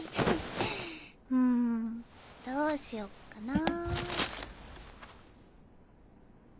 うんどうしよっかなぁ。